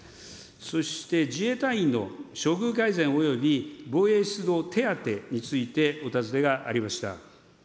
そして、自衛隊員の処遇改善および防衛出動手当についてお尋ねがありました。